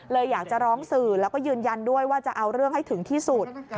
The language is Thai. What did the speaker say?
อยากจะร้องสื่อแล้วก็ยืนยันด้วยว่าจะเอาเรื่องให้ถึงที่สุด